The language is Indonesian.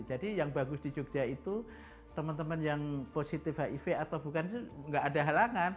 jadi yang bagus di jogja itu teman teman yang positif hiv atau bukan itu nggak ada halangan